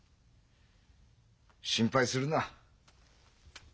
心配するな。